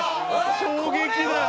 衝撃だよ。